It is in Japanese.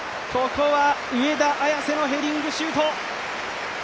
ここは上田綺世のヘディングシュート。